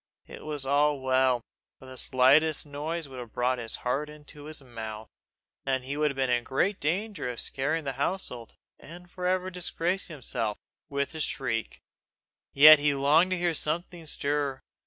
It was well, for the slightest noise would have brought his heart into his mouth, and he would have been in great danger of scaring the household, and for ever disgracing himself, with a shriek. Yet he longed to hear something stir.